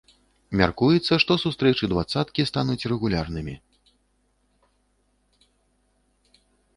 Мяркуецца, што сустрэчы дваццаткі стануць рэгулярнымі.